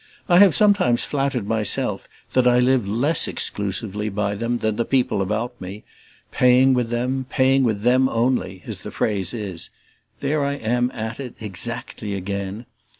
I have sometimes flattered myself that I live less exclusively by them than the people about me; paying with them, paying with them only, as the phrase is (there I am at it, exactly, again!)